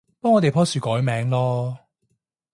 幫我哋棵樹改名囉